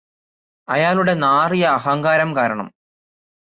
അയാളുടെ നാറിയ അഹങ്കാരം കാരണം